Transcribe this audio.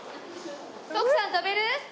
徳さん跳べる？